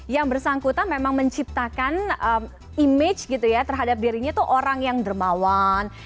yang bersangkutan memang menciptakan image gitu ya terhadap dirinya itu orang yang dermawan